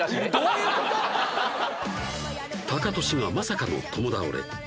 タカトシがまさかの共倒れ